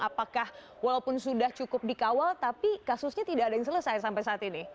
apakah walaupun sudah cukup dikawal tapi kasusnya tidak ada yang selesai sampai saat ini